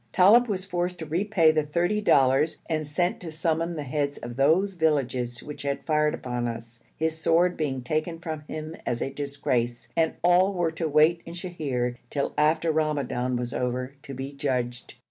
Talib was forced to repay the thirty dollars and sent to summon the heads of those villages which had fired upon us, his sword being taken from him as a disgrace, and all were to wait in Sheher, till after Ramadan was over, to be judged.